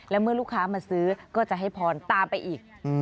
และเมื่อลูกค้ามาซื้อก็จะให้พรตามไปอีก